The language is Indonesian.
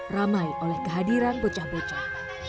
ramai oleh kehadiran bocah bocah